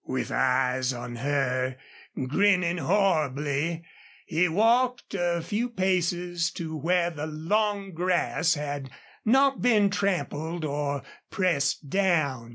With eyes on her, grinning horribly, he walked a few paces to where the long grass had not been trampled or pressed down.